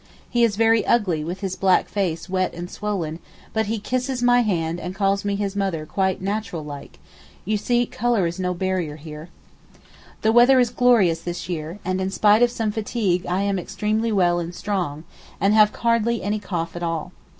He is very ugly with his black face wet and swollen, but he kisses my hand and calls me his mother quite 'natural like'—you see colour is no barrier here. The weather is glorious this year, and in spite of some fatigue I am extremely well and strong, and have hardly any cough at all.